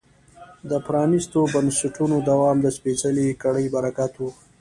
د پرانیستو بنسټونو دوام د سپېڅلې کړۍ برکت و.